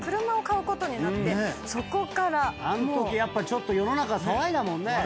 あのときやっぱちょっと世の中騒いだもんね。